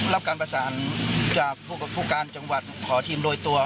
รับการประสานจากผู้การจังหวัดขอทีมโดยตัว